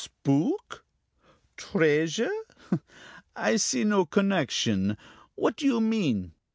"Spook? Treasure? I see no connection. What do you mean?"